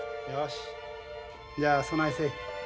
よしじゃあそないせい。